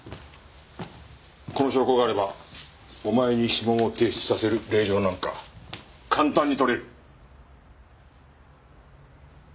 この証拠があればお前に指紋を提出させる令状なんか簡単に取れる。